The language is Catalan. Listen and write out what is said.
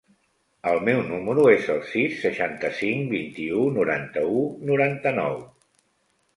El meu número es el sis, seixanta-cinc, vint-i-u, noranta-u, noranta-nou.